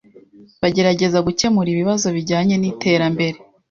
bagerageza gukemura ibibazo bijyanye n’iterambere